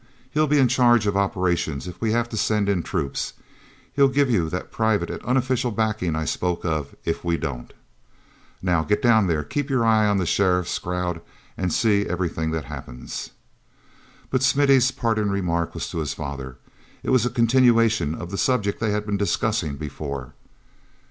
He'll be in charge of operations if we have to send in troops; he'll give you that private and unofficial backing I spoke of if we don't. "Now get down there; keep your eye on the sheriff's crowd and see everything that happens!" But Smithy's parting remark was to his father; it was a continuation of the subject they had been discussing before.